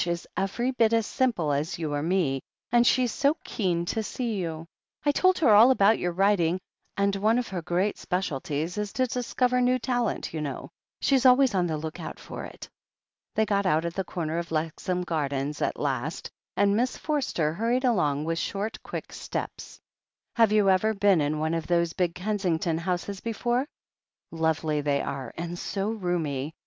is every bit as simple as you or me, and she's so keen to see you. I told her all about your writing, and one of her great specialties is to discover new talent, you know. She's always on the look out for it." They got out at the comer of Lexham Gardens at last, and Miss Forster hurried along with short, quick steps. "Have you ever been in one of these big Kensington houses before? Lovely, they are, and so roomy.